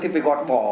thì phải gọt vỏ